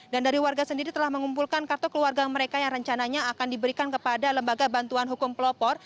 dan dari warga sendiri telah mengumpulkan kartu keluarga mereka yang rencananya akan diberikan kepada lembaga bantuan hukum pelopor